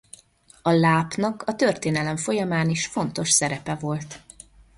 A lápnak a történelem folyamán is fontos szerepe volt.